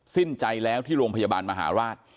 สิ้นใจแล้วที่โรงพยาบาลมหาราช